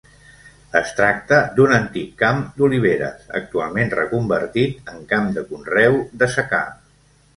Es tracta d'un antic camp d'oliveres, actualment reconvertit en camp de conreu de secà.